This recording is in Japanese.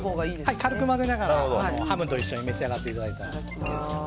はい、軽く混ぜながらハムと一緒に召し上がっていただいて。